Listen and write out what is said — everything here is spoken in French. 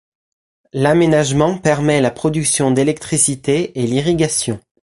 L'aménagement permet la production d’électricité et l’irrigation.